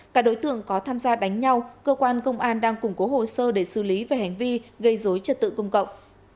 các đối tượng có tham gia đánh nhau cơ quan công an đang củng cố hồ sơ để xử lý về hành vi gây dối trật tự công cộng